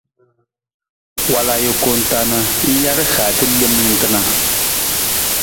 Wal ajuku ta na ng ja rihaata lem jantna.